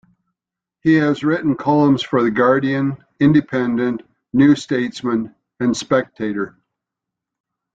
He has written columns for the Guardian, Independent, New Statesman and Spectator.